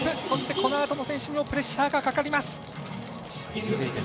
そして、このあとの選手にもプレッシャーがかかります。